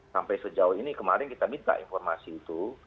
sampai sejauh ini kemarin kita minta informasi itu